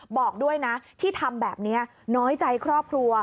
บอกด้วยนะที่ทำแบบนี้น้อยใจครอบครัว